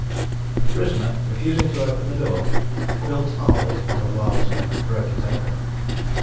The prisoner refusing to open the door, Quilt Arnold, one of Wild's men, broke it open.